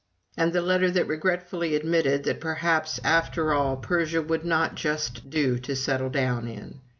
And the letter that regretfully admitted that perhaps, after all, Persia would not just do to settle down in.